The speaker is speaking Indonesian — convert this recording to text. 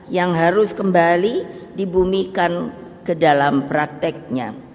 yang harus kembali dibumikan ke dalam prakteknya